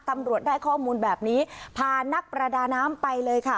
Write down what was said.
ตำรวจได้ข้อมูลแบบนี้พานักประดาน้ำไปเลยค่ะ